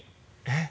えっ？